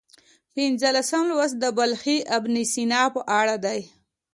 پنځلسم لوست د بلخي ابن سینا په اړه دی.